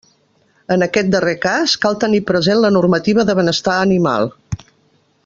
En aquest darrer cas, cal tenir present la normativa de benestar animal.